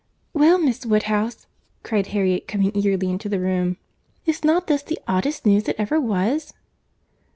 "Well, Miss Woodhouse!" cried Harriet, coming eagerly into the room—"is not this the oddest news that ever was?"